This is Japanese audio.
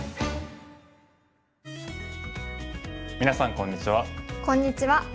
皆さんこんにちは。